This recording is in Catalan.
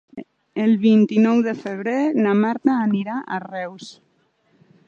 El vint-i-nou de febrer na Marta anirà a Reus.